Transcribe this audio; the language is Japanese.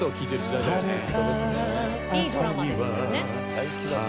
「大好きだった」